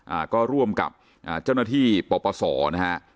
อ่าก็ร่วมกับอ่าเจ้าหน้าที่ปปศนะฮะ